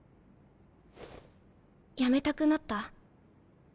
やめたくなった？